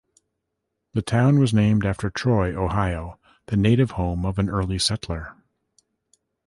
The town was named after Troy, Ohio, the native home of an early settler.